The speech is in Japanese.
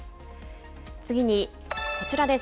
次にこちらです。